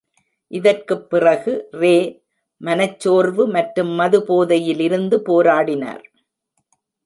இதற்குப் பிறகு, ரே மனச்சோர்வு மற்றும் மது போதையில் இருந்து போராடினார்.